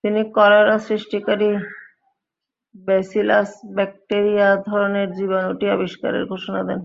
তিনি কলেরা সৃষ্টিকারী bacillus bacteria ধরনের জীবাণুটি আবিষ্কারের ঘোষণা দেন।